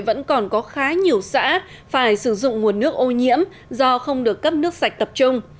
vẫn còn có khá nhiều xã phải sử dụng nguồn nước ô nhiễm do không được cấp nước sạch tập trung